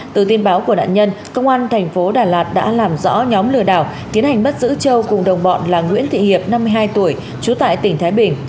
từ tin báo của nạn nhân công an thành phố đà lạt đã làm rõ nhóm lừa đảo tiến hành bắt giữ châu cùng đồng bọn là nguyễn thị hiệp năm mươi hai tuổi trú tại tỉnh thái bình